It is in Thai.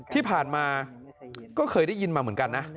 ที่ผ่านมาก็เคยได้ยินมาเหมือนกันนะ